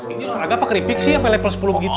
ini olahraga apa keripik sih sampai level sepuluh begitu